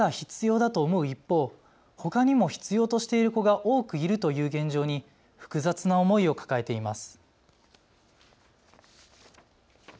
息子への通級がまだ必要だと思う一方、ほかにも必要としている子が多くいるという現状に複雑な思いを抱えています。